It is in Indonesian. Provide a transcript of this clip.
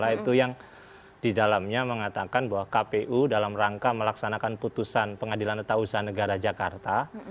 itu yang didalamnya mengatakan bahwa kpu dalam rangka melaksanakan putusan pengadilan letak usaha negara jakarta